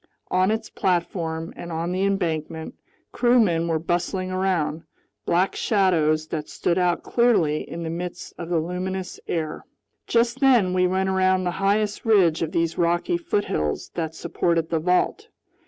On its platform and on the embankment, crewmen were bustling around, black shadows that stood out clearly in the midst of the luminous air. Just then we went around the highest ridge of these rocky foothills that supported the vault.